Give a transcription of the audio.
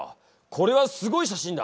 これはすごい写真だ。